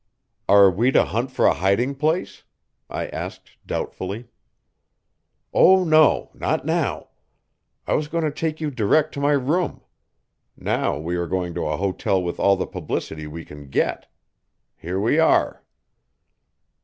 "Are we to hunt for a hiding place?" I asked doubtfully. "Oh, no; not now. I was going to take you direct to my room. Now we are going to a hotel with all the publicity we can get. Here we are."